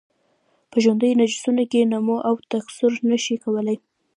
په ژوندیو نسجونو کې نمو او تکثر نشي کولای.